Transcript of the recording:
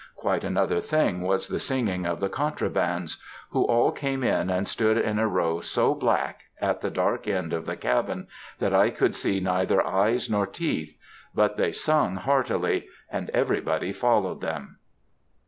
Quite another thing was the singing of the contrabands, who all came in and stood in a row so black, at the dark end of the cabin, that I could see neither eyes nor teeth. But they sung heartily, and everybody followed them.